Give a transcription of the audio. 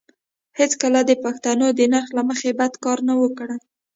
هېڅکله یې د پښتنو د نرخ له مخې بد کار نه وو کړی.